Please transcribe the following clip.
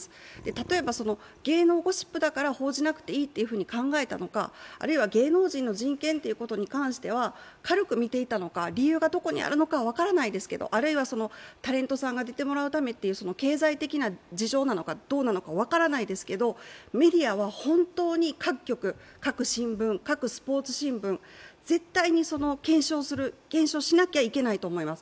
例えば芸能ゴシップだから報じなくていいというふうに考えたのか、あるいは芸能人の人権ということに関しては軽く見ていたのか、理由がどこにあるか分からないですけど、あるいはタレントさんに出てもらうためという経済的な事情なのかどうなのか分からないですけど、メディアは本当に各局、各新聞、各スポーツ新聞、絶対に検証しなきゃいけないと思います。